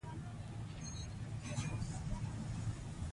دلته په مبایل کې خبرې کول منع دي 📵